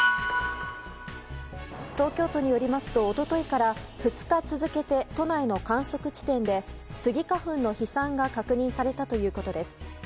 東京都によりますと一昨日から２日続けて都内の観測地点でスギ花粉の飛散が確認されたということです。